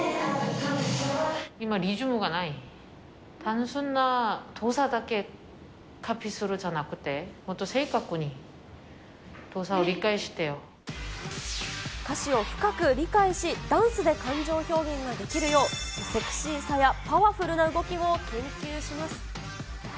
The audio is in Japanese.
単純な動作だけコピーするんじゃなくって、歌詞を深く理解し、ダンスで感情表現できるよう、セクシーさやパワフルな動きを研究します。